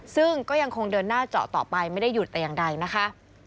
ซึ่งก็ยังคงเดินหน้าเจาะต่อไปไม่ได้หยุดแต่อย่างใดนะคะ